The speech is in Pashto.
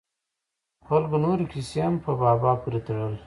خلکو نورې کیسې هم په بابا پورې تړل.